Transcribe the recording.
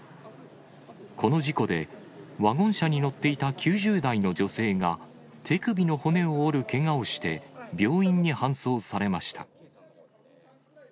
この事故で、ワゴン車に乗っていた９０代の女性が、手首の骨を折るけがをして病院に搬送されました。